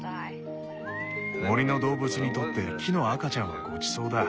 森の動物にとって木の赤ちゃんはごちそうだ。